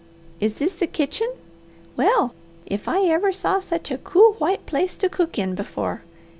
Is this the kitchen? Well if I ever saw sech a cool, white place to cook in before!